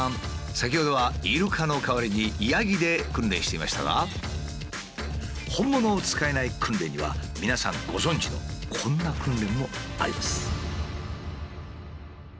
先ほどはイルカの代わりにヤギで訓練していましたが本物を使えない訓練には皆さんご存じのこんな訓練もあります。